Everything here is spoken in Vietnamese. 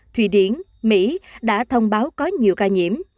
thụy điển mỹ đã thông báo có nhiều ca nhiễm